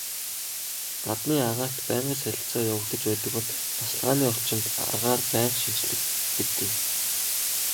Гаднын агаарт байнгын солилцоо явагдаж байдаг бол тасалгааны орчинд агаар байнга шинэчлэгддэггүй.